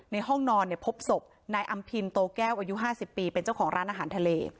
ห้องนอนเนี่ยพบศพนายอำพินโตแก้วอายุ๕๐ปีเป็นเจ้าของร้านอาหารทะเล